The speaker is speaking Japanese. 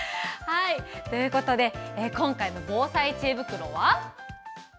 ということで今回の防災知恵袋は？